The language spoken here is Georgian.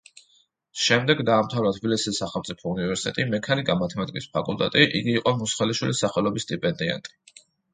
შემდეგ დაამთავრა თბილისის სახელმწიფო უნივერსიტეტი, მექანიკა-მათემატიკის ფაკულტეტი, იგი იყო მუსხელიშვილის სახელობის სტიპენდიანტი.